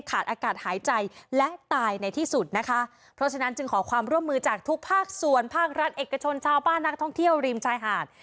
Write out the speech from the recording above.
อากาศหายใจและตายในที่สุดนะคะเพราะฉะนั้นจึงขอความร่วมมือจากทุกภาคส่วนภาครัฐเอกชนชาวบ้านนักท่องเที่ยวริมชายหาด